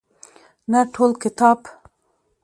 نه ټول کتاب.